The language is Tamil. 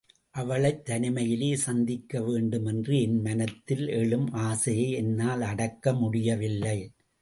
அவளைத் தனிமையிலே சந்திக்க வேண்டும் என்று என் மனத்தில் எழும் ஆசையை என்னால் அடக்க முடியவில்லை.